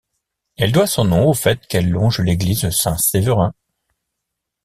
Elle doit son nom au fait qu’elle longe l’église Saint-Séverin.